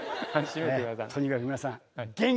とにかく皆さん。